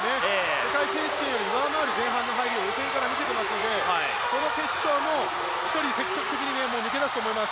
世界選手権を上回る前半の入りを予選から見せているのでこの決勝も一人積極的に抜け出すと思います。